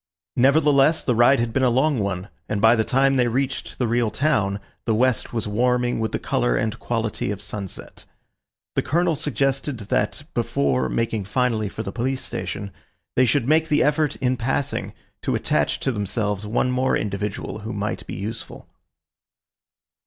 Nevertheless, the ride had been a long one, and by the time they reached the real town the west was warming with the colour and quality of sunset. The Colonel suggested that, before making finally for the police station, they should make the effort, in passing, to attach to themselves one more individual who might be useful.